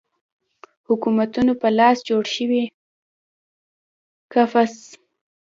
حکومتونو په لاس جوړ شوی قفس